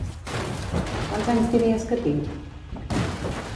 Quants anys diries que tinc?